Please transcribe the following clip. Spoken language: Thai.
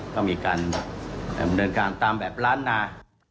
ก็มีการแบ่งเดินกลางตามแบบร้านหน้า